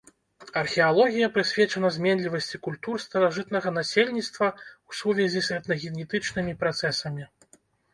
Археалогія прысвечана зменлівасці культур старажытнага насельніцтва ў сувязі з этнагенетычнымі працэсамі.